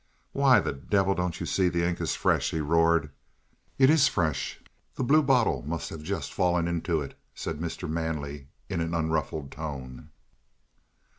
"Why the devil don't you see that the ink is fresh?" he roared. "It is fresh. The bluebottle must have just fallen into it," said Mr. Manley in an unruffled tone.